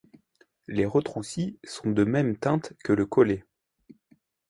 Les retroussis sont de mêmes teintes que le collet.